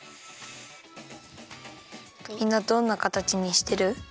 みんなどんなかたちにしてる？